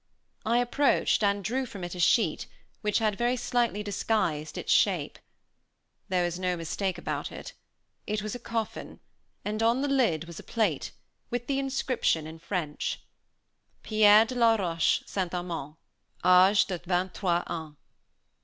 I approached and drew from it a sheet which had very slightly disguised its shape. There was no mistake about it. It was a coffin; and on the lid was a plate, with the inscription in French: PIERRE DE LA ROCHE ST. AMAND. ÂGÉ DE XXIII ANS.